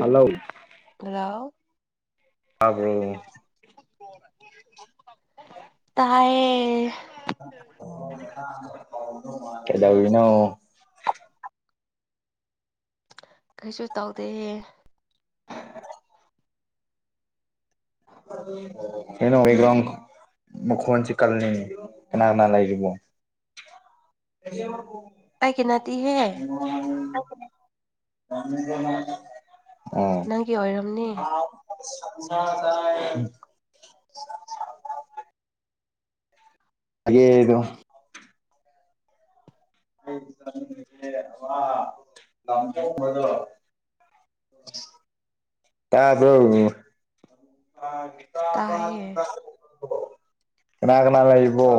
Hello ꯗꯔꯥꯎ ꯇꯥꯕ꯭ꯔꯣ ꯇꯥꯏꯌꯦ ꯀꯩꯗꯧꯔꯤꯅꯣ ꯀꯩꯁꯨ ꯇꯧꯗꯦꯌꯦ ꯀꯩꯅꯣ [unintelligible] ꯃꯈꯣꯟꯁꯤ ꯀꯜꯂꯤꯅꯦ ꯀꯅꯥ ꯀꯅꯥ ꯂꯩꯔꯤꯕꯣ [unintelligible] ꯑꯩ ꯀꯤꯅꯥꯇꯤꯍꯦ [unintelligible] ꯅꯪꯒꯤ ꯑꯣꯏꯔꯝꯅꯤ ꯑꯣ [unintelligible] ꯑꯒꯦ [unintelligible] [unintelligible] ꯇꯥꯕꯔꯣ ꯇꯥꯏꯌꯦ ꯀꯅꯥ ꯀꯅꯥ ꯂꯩꯕ꯭ꯔꯣ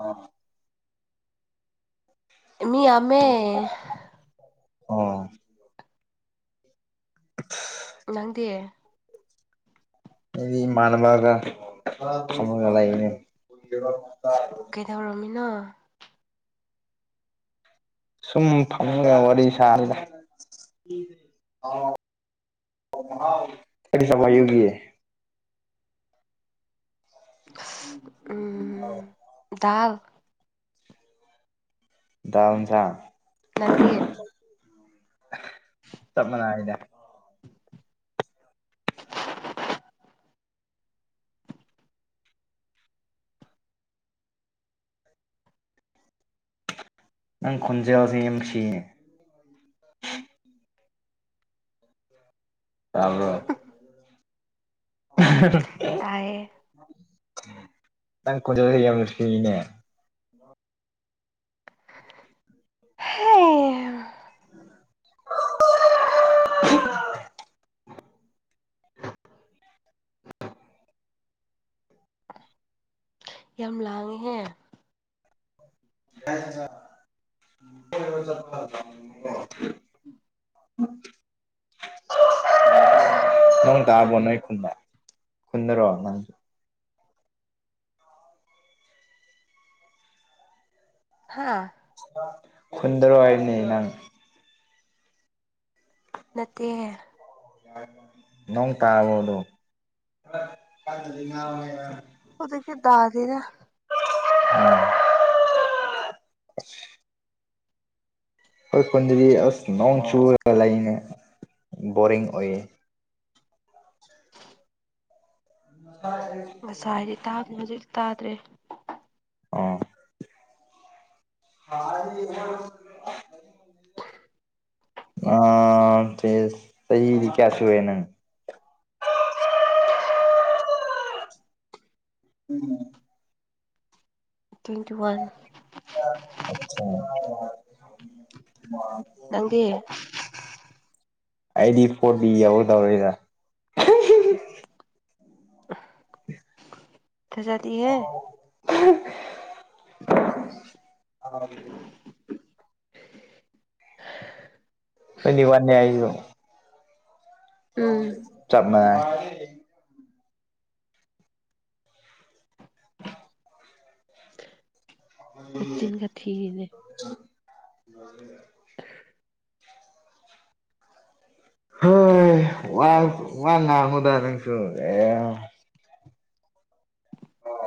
ꯑꯥ ꯑꯦ ꯃꯤ ꯌꯥꯃꯦ ꯑꯣ [inaudible] ꯅꯪꯗꯤ ꯑꯩꯗꯤ ꯏꯃꯥꯅꯕꯒ ꯑꯃꯒ ꯂꯩꯕꯅꯤ ꯀꯩꯗꯧꯔꯝꯃꯤꯅꯣ ꯁꯨꯝ ꯐꯪꯃꯒ ꯋꯥꯔꯤ ꯁꯥꯔꯤꯗ [unintelligible] [unintelligible] ꯑꯥꯎ [unintelligible] ꯗꯥꯎ [unintelligible] ꯅꯪꯗꯤ [unintelligible] ꯇꯞꯅ‌ ꯉꯥꯡꯉꯤꯗ [inaudible] ꯅꯪ ꯈꯣꯟꯖꯦꯜꯁꯦ ꯌꯥꯝ ꯁꯤꯌꯦ ꯇꯥꯕ꯭ꯔꫭ [unintelligible] ꯇꯥꯏꯌꯦ ꯅꯪ ꯈꫭꯟꯖꯦꯜ ꯌꯥꯝ ꯅꯨꯡꯁꯤꯅꯦ [unintelligible] ꯍꯦ [unintelligible] ꯌꯥꯝ ꯂꯥꯡꯉꯤꯍꯦ [unintelligible] [unintelligible] [unintelligible] ꯅꯪꯡ ꯇꯥꯕ꯭ꯔꫭ ꯅꯣꯏ ꯈꯨꯟꯗ ꯈꯨꯟꯗꯔꯣ ꯅꯪꯁꯨ ꯍꯥꯥ ꯈꯨꯟꯗꯔꫭ ꯍꯥꯏꯝꯅꯤ ꯅꯪ ꯅꯠꯇꯦ ꯅꯣꯡ [unintelligible] ꯍꯧꯖꯤꯛꯇꯤ ꯇꯥꯗꯦꯗ [unintelligible] ꯑꯈꯣꯏ ꯈꯨꯟꯗꯗꯤ ꯑꯁ ꯅꯣꯡ ꯆꯨꯨꯔꯒ ꯂꯩꯅꯦ ꯕꯣꯔꯤꯡ ꯑꯣꯏꯌꯦ [inaudible] [unintelligible] ꯉꯁꯥꯏ [unintelligible] ꯇꯥꯗ꯭ꯔꯦ ꯑꫭ [unintelligible] ꯑꯥ [unintelligible] ꯀꯌꯥ ꯁꯨꯔꯦ ꯅꯪ ꯎꯝ ꯇ꯭ꯋꯦꯟꯇꯤ ꯋꯥꯟ ꯑꯠꯆꯥ [unintelligible] ꯅꯪꯗꯤ ꯑꯩꯗꯤ ꯐꯣꯔ ꯗꯤ ꯌꯧꯒꯗꯧꯔꯦꯗ ꯊꯥꯖꯗꯦꯍꯦ [unintelligible] ꯇ꯭ꯋꯦꯟꯇꯤ ꯋꯥꯟꯅꯦ ꯑꯩꯁꯨ ꯎꯝ ꯆꯞꯃꯦ [unintelligible] ꯃꯆꯤꯟꯒ ꯊꯤꯔꯤꯅꯦ [unintelligible] ꯍꯣꯏ ꯋꯥ ꯋꯥ [unintelligible] ꯅꯪꯁꯨ [unintelligible]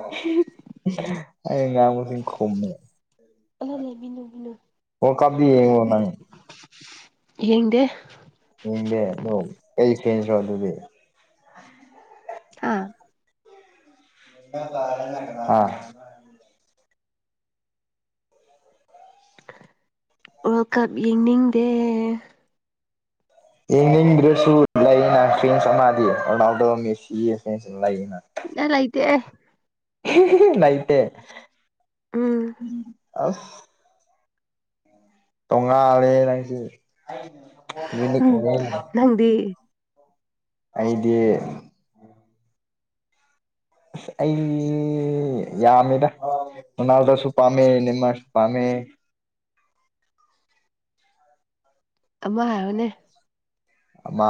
[unintelligible] ꯑꯩ ꯉꯥꯡꯕ [unintelligible] ꯈꯨꯝꯃꯦ ꯑꯂ ꯂꯩꯃꯤꯟꯅꯨ ꯃꯤꯟꯅꯨ ꯋꯥꯔꯜ ꯀꯞꯇꯤ ꯌꯦꯡꯉꫭ ꯅꯪ ꯌꯦꯡꯗꯦ ꯏꯪꯗꯦ ꯑꯗꯣ ꯑꯩ ꯐꯦꯟꯁꯔꯣ ꯑꯗꯨꯗꯤ ꯍꯥꯥ [unintelligible] ꯍꯥ ꯋꯥꯔꯜ ꯀꯞ ꯌꯦꯡꯅꯤꯡꯗꯦ ꯌꯦꯡꯅꯤꯡꯗ꯭ꯔꯁꯨ ꯂꯩꯅ ꯐ꯭ꯔꯦꯟꯁ ꯑꯃꯗꯤ ꯔꯣꯅꯥꯜꯗꯣ ꯃꯦꯁꯤ ꯐꯦꯟꯁ ꯂꯩꯅ ꯏꯅꯥ ꯂꯩꯇꯦ ꯅꯩꯇꯦ ꯎꯝ ꯇꯣꯡꯉꯥꯜꯂꯦ ꯅꯪꯁꯤ ꯌꯨꯅꯤꯛ ꯑꯣꯏꯌꯦ ꯍꯪꯗꯤ ꯑꯩꯗꯤ ꯑꯁ ꯑꯩ ꯌꯥꯝꯃꯤꯗ ꯔꯣꯅꯥꯜꯗꯣꯁꯨ ꯄꯥꯃꯦ ꯅꯦꯃꯥꯔꯁꯨ ꯄꯥꯝꯃꯦ ꯑꯃ ꯍꯥꯏꯌꯣꯅꯦ ꯑꯃꯥ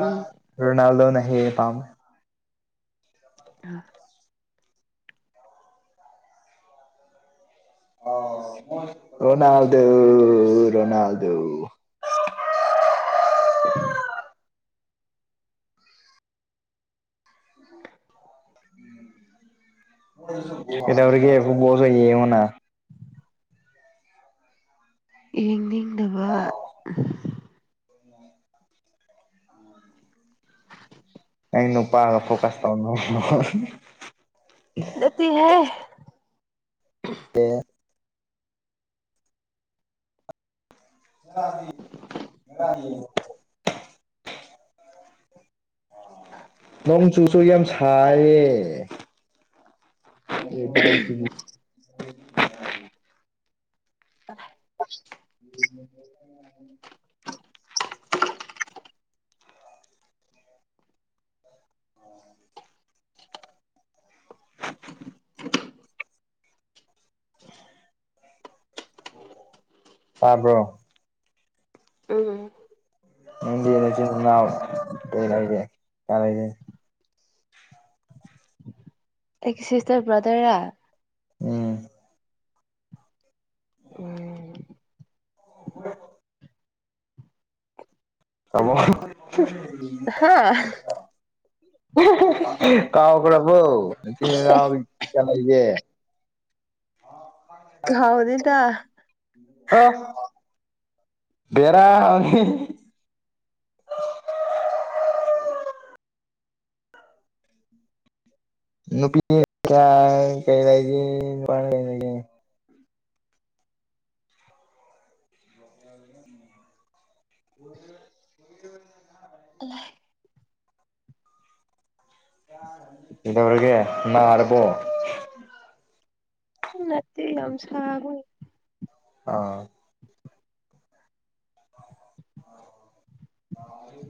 ꯎꯝ ꯔꯣꯅꯥꯜꯗꯣꯅ ꯍꯦ ꯄꯥꯝ ꯑꯥ ꯑꯣ ꯔꯣꯅꯥꯜꯗꯣ ꯔꯣꯅꯥꯜꯗꯣ [inaudible] ꯀꯩꯗꯧꯔꯤꯒꯦ ꯕꯨꯕꯣꯜꯁꯨ ꯌꯦꯡꯉꯣꯅꯥ ꯌꯦꯡꯅꯤꯡꯅꯕ ꯑꯩ ꯅꯨꯄꯥꯗ ꯐꯣꯀꯁ ꯇꯧꯅꯨ ꯅꯠꯇꯦꯍꯦ ꯀꯦ [unintelligible] [inaudible] ꯅꯣꯡ ꯆꯨꯁꯨ ꯌꯥꯝ ꯁꯥꯌꯦ ꯑꯦꯗꯥꯏ ꯁꯤꯗꯤ ꯑꯣꯂꯦ [inaudible] ꯑꯣ ꯇꯕ꯭ꯔꯣ ꯎꯝ ꯅꯪ ꯕꯣꯜ [unintelligible] ꯀꯩꯍꯥꯏꯒꯦ [unintelligible] ꯑꯩꯒꯤ ꯁꯤꯁꯇꯔ ꯕ꯭ꯔꯗꯔ ꯔꯥ ꯎꯝ ꯎꯝ ꯍꯣꯏꯌꯦꯕ ꯇꯃꯣ ꯍꯨꯝ ꯍꯥ ꯀꯥꯎꯒ꯭ꯔꯥꯕꯣ ꯅꯆꯤꯟ ꯅꯅꯥꯎ ꯀꯌꯥ ꯂꯩꯒꯦ ꯀꯥꯎꯗꯦꯗ ꯑꯥ ꯀꯌꯥꯔ [unintelligible] ꯅꯨꯄꯤ ꯀꯌꯥ ꯀꯩ ꯂꯩꯏꯒꯦ ꯅꯨꯄꯅ ꯀꯩ ꯂꯩꯒꯦ [unintelligible] ꯍꯨꯋꯥꯑꯦ ꯇꯜꯂꯦ [unintelligible] ꯀꯩꯗꯧꯔꯒꯦ ꯅꯥꯔꯕꯣ ꯅꯠꯇꯦ ꯌꯥꯝ ꯁꯥꯕꯒꯤ ꯑꯥ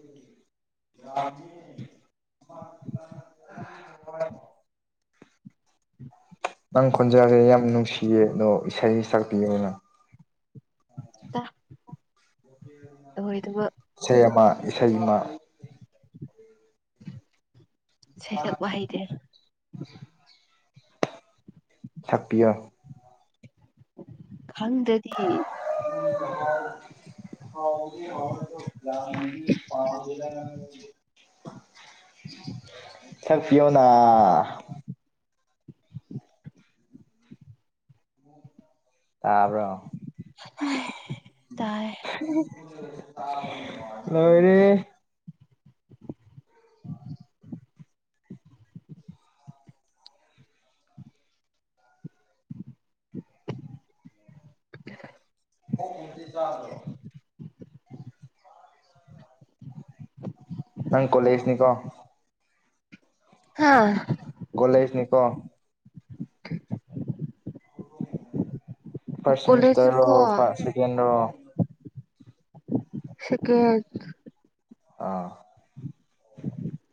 [unintelligible] ꯅꯪ ꯈꯣꯟꯖꯦꯜꯁꯦ ꯌꯥꯝ ꯅꯨꯡꯁꯤꯌꯦ ꯑꯗꯣ ꯏꯁꯩ ꯁꯥꯛꯄꯤꯌꯨꯅ ꯗꯥ ꯊꯥꯍꯣꯢꯗꯥꯕ ꯁꯦꯕ ꯏꯁꯩ ꯑꯃ ꯢꯁꯩ ꯁꯛꯄ ꯍꯩꯗꯦ ꯁꯛꯄꯤꯌꯣ ꯈꯪꯗꯗꯤ [unintelligible] ꯁꯛꯄꯤꯌꯣꯅ ꯇꯥꯕ꯭ꯔꯣ ꯍꯦ ꯇꯥꯏ ꯂꯣꯏꯔꯦꯍꯦ [inaudible] [unintelligible] ꯅꯪ ꯀꯣꯂꯦꯁꯅꯤꯀꯣ ꯍꯥꯥ ꯀꯣꯂꯦꯖꯅꯤꯀꯣ ꯐꯥꯔꯁ ꯀꯣꯂꯦꯖ ꯁꯦꯃꯤꯁꯇꯔꯣ ꯀꯣ ꯐꯥ ꯁꯦꯀꯦꯟ ꯔꯣ ꯁꯦꯀꯦꯟ ꯑꯥ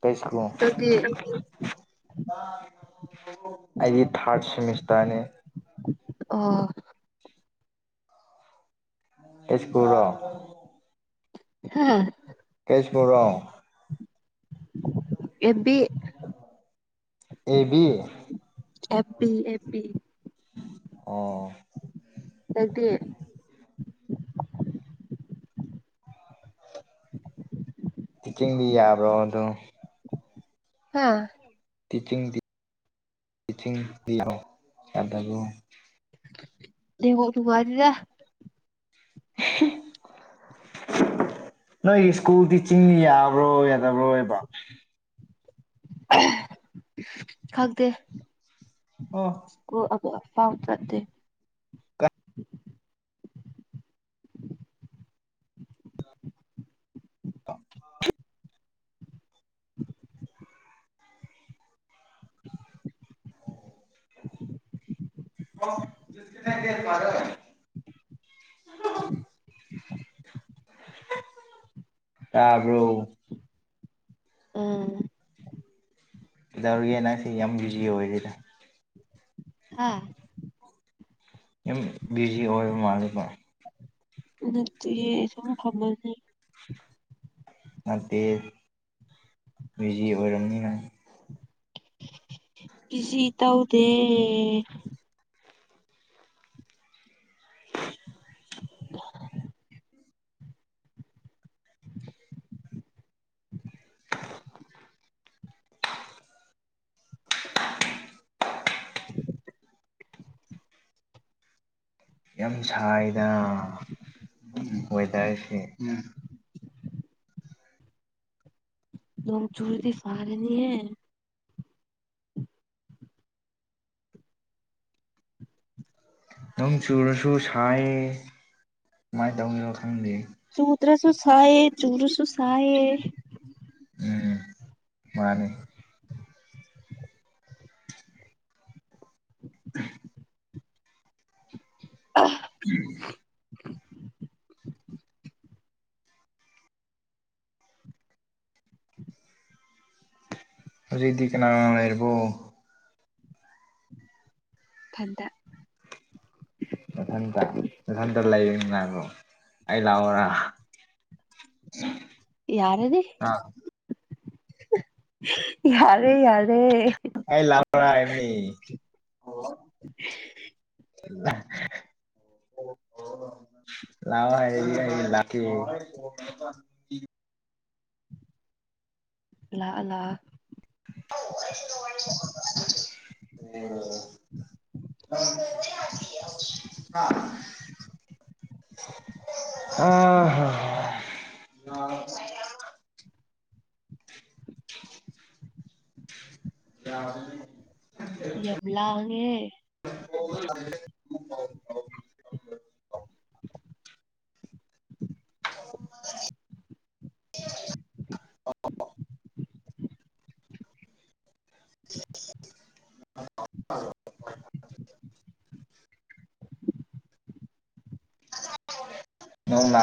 ꯀꯩ ꯁꯛꯅꯣ ꯅꯪꯗꯤ ꯑꯩꯗꯤ ꯊꯥꯔꯠ ꯁꯦꯃꯤꯁꯇꯔꯅꯦ ꯑꯣ ꯀꯩ ꯁ꯭ꯀꯨꯜꯔꯣ ꯍꯥ ꯀꯩ ꯁ꯭ꯀꯨꯜꯔꯣ ꯑꯦꯕꯤ ꯑꯦꯕꯤ ꯑꯦꯕꯤ ꯑꯦꯕꯤ ꯑꯣ ꯅꯪꯗꯤ ꯇꯤꯆꯤꯡꯗꯤ ꯌꯥꯕ꯭ꯔꯣ ꯑꯗꯨꯝ ꯍꯥꯥ ꯇꯤꯆꯤꯡꯗꯤ ꯇꯤꯆꯤꯡꯗꯤ ꯌꯥꯗꯥꯕ꯭ꯔꯣ ꯅꯦꯋꯥꯛ ꯅꯨꯡꯉꯥꯢꯇꯦꯗꯥ [unintelligible] ꯅꯣꯏꯒꯤ ꯁ꯭ꯀꯨꯜ ꯇꯤꯆꯤꯡ ꯌꯥꯕ꯭ꯔꯣ ꯌꯥꯗꯕ꯭ꯔꯣꯕ ꯈꯪꯗꯦ ꯑꯣ ꯁ꯭ꯀꯨꯜ [unintelligible] ꯑꯐꯥꯎ ꯅꯠꯇꯦ [unintelligible] [unintelligible] ꯇꯥꯕ꯭ꯔꯣ꯫ ꯎꯝ ꯀꯩꯗꯧꯔꯤꯒꯦ ꯅꯡꯁꯦ ꯌꯥꯝ ꯕꯌ꯭ꯨꯖꯤ ꯑꯣꯏꯔꯦꯗꯥ꯫ ꯑꯥ ꯌꯥꯝ ꯕꯤꯖꯤ ꯑꯣꯏꯕ ꯃꯥꯜꯂꯦꯕꯥ ꯫ ꯅꯠꯇꯤꯌꯦ ꯁꯨꯝ ꯐꯝꯃꯅꯦ ꯫ ꯅꯠꯇꯦ ꯕꯌ꯭ꯨꯖꯤ ꯑꯣꯏꯔꯝꯅꯤ ꯅꯪ ꯫ ꯕꯤꯖꯤ ꯇꯧꯗꯦ꯫ [inaudible] ꯌꯥꯝ ꯁꯥꯏꯗꯥ ꯎꯝ ꯋꯦꯗꯔꯁꯦ ꯎꯝ ꯫ ꯅꯣꯡ ꯆꯨꯔꯗꯤ ꯐꯥꯔꯅꯤꯌꯦ ꯫ ꯅꯣꯡ ꯆꯨꯔꯁꯨ ꯁꯥꯏꯌꯦ ꯀꯃꯥꯏ ꯇꯧꯗꯣꯏꯅꯣ ꯈꯪꯗꯦ꯫ ꯆꯨꯗ꯭ꯔꯁꯨ ꯁꯥꯌꯦ ꯆꯨꯔꯁꯨ ꯁꯥꯌꯦ꯫ ꯎꯝ ꯃꯥꯅꯦ꫰ [inaudible] [inaudible] [inaudible] ꯍꯧꯖꯤꯛꯗꯤ ꯀꯅꯥꯅ ꯂꯩꯔꯤꯕꯣ꯫ ꯊꯟꯇ꯫ ꯅꯊꯟꯇ ꯅꯊꯟꯇ ꯂꯩꯕ ꯅꯨꯡꯉꯥꯢꯕ꯭ꯔꯣ ꯑꯩ ꯂꯥꯛꯑꯣꯔꯥ꯫ [inaudible] ꯌꯥꯔꯅꯤ ꯑ ꯌꯥꯔꯦ ꯌꯥꯔꯦ ꯫ ꯑꯩ ꯂꯥꯛꯑꯣꯔꯥ ꯍꯥꯢꯕꯅꯤ ꯫ [inaudible] [inaudible] ꯂꯥꯎ ꯍꯥꯏꯔꯗꯤ ꯑꯩ ꯂꯥꯛꯀꯦ ꯫ ꯂꯥꯛꯑ ꯂꯥꯛꯑ꯫ [unintelligible] ꯎꯝ ꯐꯣꯟ ꯇꯧꯕ ꯌꯥꯗꯤꯌꯦ ꯍꯥꯥ ꯫ ꯑꯥ ꯍ ꯌꯥꯗꯔ꯭ꯤ ꯌꯝ ꯂꯥꯡꯉꯦ꯫ ꯅꯣꯡ ꯂꯥꯛ